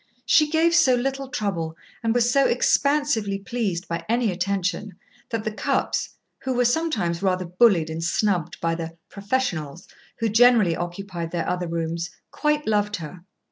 She gave so little trouble, and was so expansively pleased by any attention, that the Cupps, who were sometimes rather bullied and snubbed by the "professionals" who generally occupied their other rooms, quite loved her.